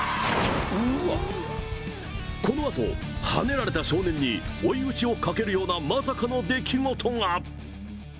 このあと、はねられた少年に追い打ちをかけるようなまさかの出来事が。